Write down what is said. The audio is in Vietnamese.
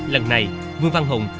lần này vương văn hùng